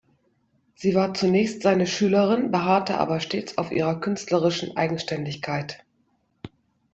Sie war zunächst seine Schülerin, beharrte aber stets auf ihrer künstlerischen Eigenständigkeit.